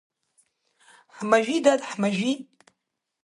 Ҳмажәи, дад, ҳмажәи…